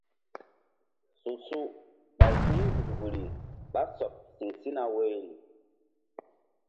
Su su ɓay hi̧nzukri ɓa sɔɓ siŋ sina woyri.